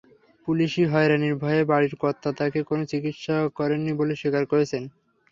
পুলিশি হয়রানির ভয়ে বাড়ির কর্তা তাকে কোনো চিকিৎসা করাননি বলে স্বীকার করেছেন।